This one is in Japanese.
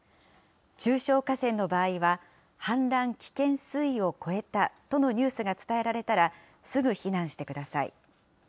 中小河川の場合は、氾濫危険水位を超えたとのニュースが伝えられたら、すぐ避難してください。